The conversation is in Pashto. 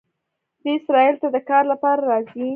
دوی اسرائیلو ته د کار لپاره راځي.